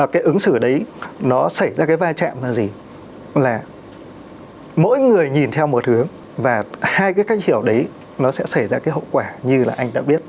cái ứng xử đấy nó xảy ra cái va chạm là gì là mỗi người nhìn theo một hướng và hai cái cách hiểu đấy nó sẽ xảy ra cái hậu quả như là anh đã biết